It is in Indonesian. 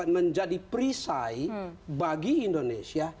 menjadi perisai bagi indonesia